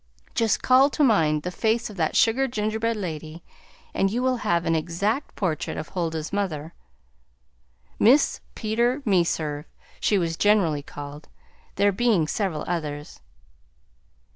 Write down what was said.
Just call to mind the face of that sugar gingerbread lady and you will have an exact portrait of Huldah's mother, Mis' Peter Meserve, she was generally called, there being several others.